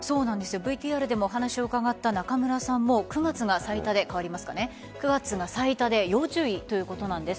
ＶＴＲでもお話を伺った中村さんも９月が最多で要注意ということなんです。